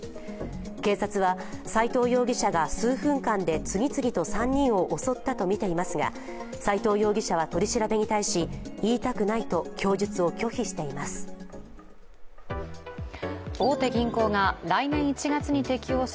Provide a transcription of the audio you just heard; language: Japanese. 警察は斉藤容疑者が数分間で次々と３人を襲ったとみていますが斉藤容疑者は取り調べに対し言いたくないと供述を拒否しています。